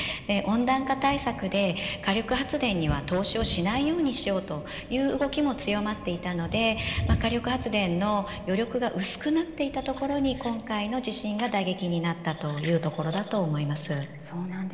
温暖化対策で火力発電には投資をしないようにしようという動きも強まっていたので火力発電の余力が薄くなっていたところに今回の地震が打撃になったというところだと思います。